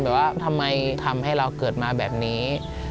ว่าทำไมทำให้เราเกิดมาแบบนี้